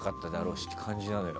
しって感じなのよ。